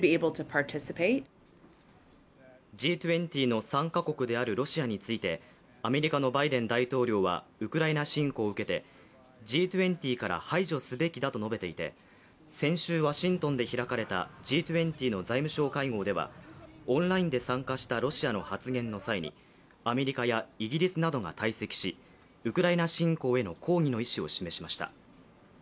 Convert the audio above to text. Ｇ２０の参加国であるロシアについてアメリカのバイデン大統領はウクライナ侵攻を受けて、Ｇ２０から排除すべきだと述べていて先週、ワシントンで開かれたＧ２０の財務相会合ではオンラインで参加したロシアの発言の際にアメリカやイギリスなどが退席し、ウクライナ侵攻への抗議の意思を示しました。